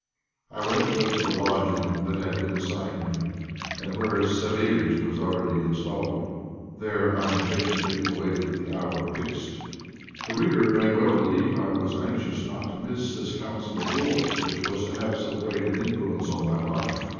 I went away to the lodging that had been assigned me, and where Savéliitch was already installed. There I impatiently awaited the hour fixed. The reader may well believe I was anxious not to miss this council of war, which was to have so great an influence on my life.